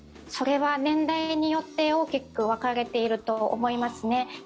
それは年代によって大きく分かれていると思います。